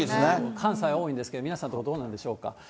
関西多いんですけれども、皆さんどうでしょうか。